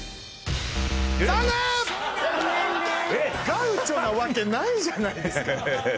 ガウチョなわけないじゃないですか。